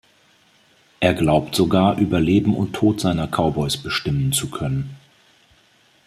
Er glaubt sogar, über Leben und Tod seiner Cowboys bestimmen zu können.